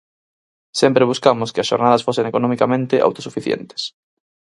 Sempre buscamos que as xornadas fosen economicamente autosuficientes.